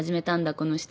この人。